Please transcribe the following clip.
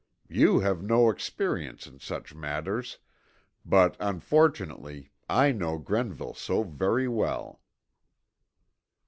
You have no experience in such matters, but, unfortunately, I know Grenville so very well."